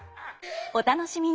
お楽しみに！